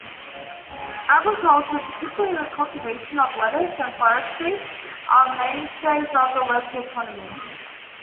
Agriculture, particularly the cultivation of lettuce, and forestry are mainstays of the local economy.